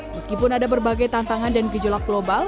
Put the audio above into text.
meskipun ada berbagai tantangan dan gejolak global